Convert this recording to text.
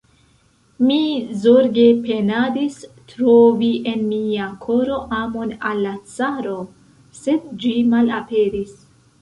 Mi zorge penadis trovi en mia koro amon al la caro, sed ĝi malaperis!